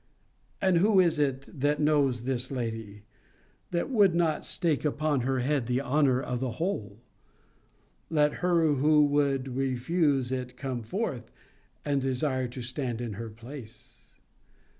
And who is it that knows this lady, that would not stake upon her head the honour of the whole? Let her who would refuse it come forth, and desire to stand in her place.